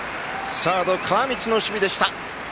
サード、川満の守備でした。